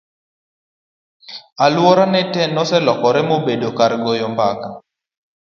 alwora no te noselokore mobedo kar goyo maka